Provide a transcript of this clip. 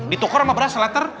dituker sama beras selater